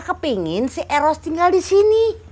kepingin si eros tinggal di sini